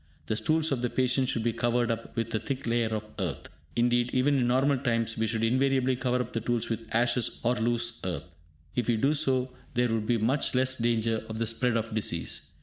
The stools of the patient should be covered up with a thick layer of earth. Indeed, even in normal times, we should invariably cover up the stools with ashes or loose earth. If we do so, there would be much less danger of the spread of disease.